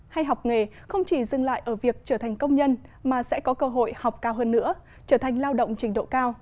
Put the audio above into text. hay học nghề không chỉ dừng lại ở việc trở thành công nhân mà sẽ có cơ hội học cao hơn nữa trở thành lao động trình độ cao